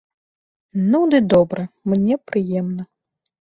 Ну ды добра, мне прыемна.